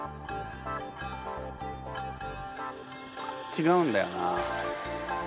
ちがうんだよな。